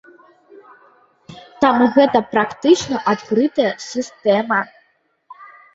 Там гэта практычна адкрытая сістэма.